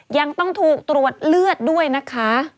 ยังต้องถูกตรวจเลือดด้วยนะคะ